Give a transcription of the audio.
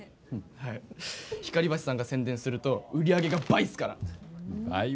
光橋さんが宣伝すると売り上げが倍っすから。